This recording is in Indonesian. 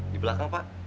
di belakang pak